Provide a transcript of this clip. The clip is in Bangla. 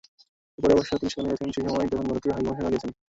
পরে অবশ্য তিনি সেখানে গেছেন সেই সময়, যখন ভারতীয় হাইকমিশনার গেছেন।